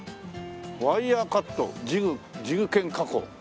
「ワイヤーカットジグ研加工」